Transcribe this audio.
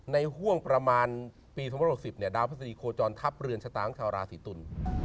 ห่วงประมาณปี๒๖๐เนี่ยดาวพฤษฎีโคจรทัพเรือนชะตาของชาวราศีตุล